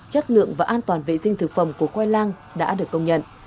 chất lượng và an toàn vệ sinh thực phẩm của khoai lang đã được công nhận